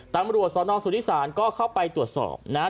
ตังค์บริวัติศาสตร์สนสุริสารก็เข้าไปตรวจสอบนะ